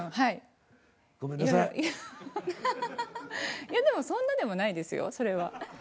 いやでもそんなでもないですよそれは。